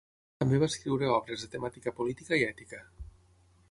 També va escriure obres de temàtica política i ètica.